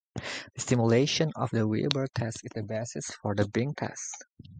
The simulation of the Weber test is the basis for the Bing test.